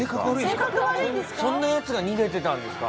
そんなヤツが逃げてたんですか。